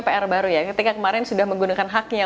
pr baru ya ketika kemarin sudah menggunakan haknya